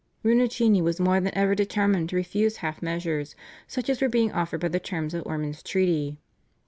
Rinuccini was more than ever determined to refuse half measures, such as were being offered by the terms of Ormond's treaty.